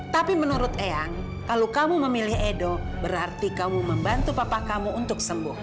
tapi menurut eyang kalau kamu memilih edo berarti kamu membantu papa kamu untuk sembuh